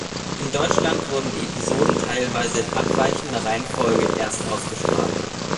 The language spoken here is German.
In Deutschland wurden die Episoden teilweise in abweichender Reihenfolge erstausgestrahlt.